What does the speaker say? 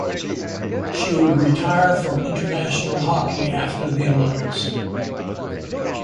She would retire from international hockey after the Olympics.